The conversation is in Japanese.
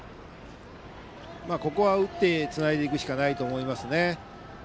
ここは打ってつないでいくしかないですね。